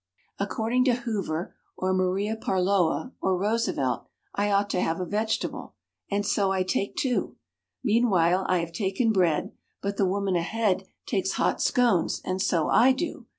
According to Hoover or Maria Parloa or Roosevelt, I ought to have a vegetable, and so I take two. Meanwhile I have taken bread, but the woman ahead takes hot scones and so I do.